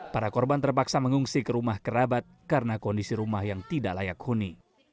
para korban terpaksa mengungsi ke rumah kerabat karena kondisi rumah yang tidak layak huni